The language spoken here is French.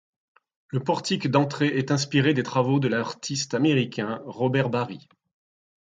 Le portique d'entrée est inspiré des travaux de l'artiste américain Robert Barry.